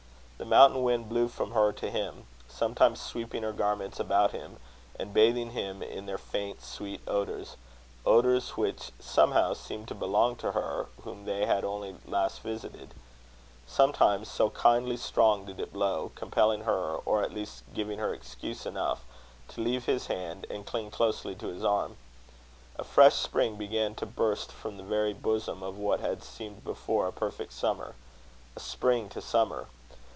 The mountain wind blew from her to him, sometimes sweeping her garments about him, and bathing him in their faint sweet odours odours which somehow seemed to belong to her whom they had only last visited; sometimes, so kindly strong did it blow, compelling her, or at least giving her excuse enough, to leave his hand and cling closely to his arm. A fresh spring began to burst from the very bosom of what had seemed before a perfect summer. A spring to summer!